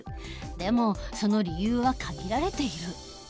でもその理由は限られている。